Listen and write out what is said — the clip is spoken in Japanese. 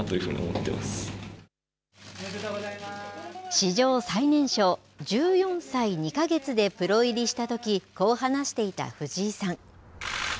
史上最年少１４歳２か月でプロ入りしたときこう話していた藤井さん。